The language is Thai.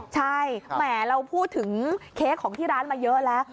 ใช่แหมเราพูดถึงเค้กของที่ร้านมาเยอะแล้ว